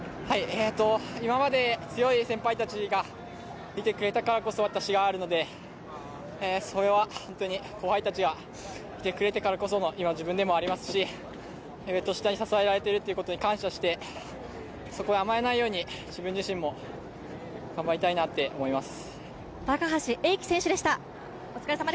今まで、強い先輩たちがいてくれたからこそ私があるので、それは本当に後輩たちがいてくれたからこその今、自分でもありますし上と下に支えられているということに感謝してそこに甘えないように、自分自身も頑張りたいなと思います。